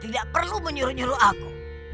tidak perlu menyuruh nyuruh aku